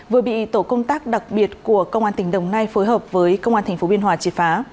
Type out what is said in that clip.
vừa bị tổ công tác đặc biệt của công an tỉnh đồng nai phối hợp với công an tp biên hòa triệt phá